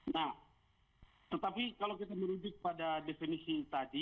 nah tetapi kalau kita merujuk pada definisi tadi